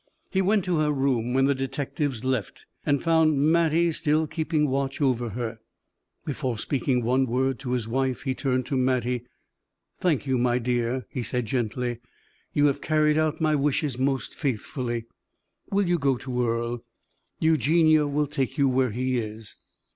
He went to her room when the detectives left, and found Mattie still keeping watch over her. Before speaking one word to his wife, he turned to Mattie. "Thank you, my dear," he said, gently; "you have carried out my wishes most faithfully. Will you go to Earle? Eugenie will take you where he is."